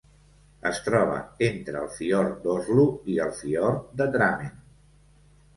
Es troba entre el fiord d'Oslo i el fiord de Drammen.